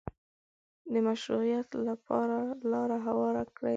د مشروعیت لپاره لاره هواره کړي